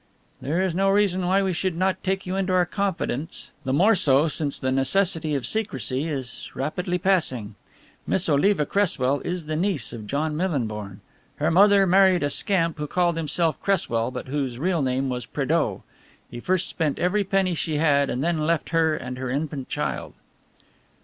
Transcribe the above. "There is no reason why we should not take you into our confidence, the more so since the necessity for secrecy is rapidly passing. Miss Oliva Cresswell is the niece of John Millinborn. Her mother married a scamp who called himself Cresswell but whose real name was Prédeaux. He first spent every penny she had and then left her and her infant child."